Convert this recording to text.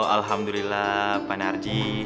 alhamdulillah bang narji